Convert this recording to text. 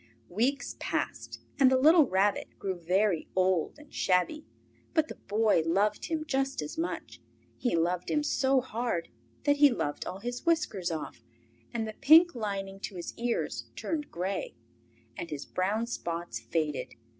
Weeks passed, and the little Rabbit grew very old and shabby, but the Boy loved him just as much. He loved him so hard that he loved all his whiskers off, and the pink lining to his ears turned grey, and his brown spots faded.